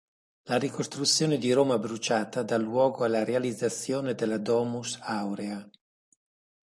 La ricostruzione di Roma bruciata dà luogo alla realizzazione della Domus Aurea.